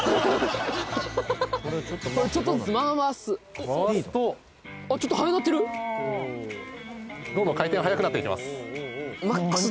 これちょっとずつ回す回すとあっちょっと速なってるどんどん回転速くなっていきます